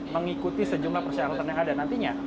mengikuti sejumlah persyaratan yang ada nantinya